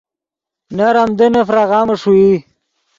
نر آمدنّے فراغامے ݰوئے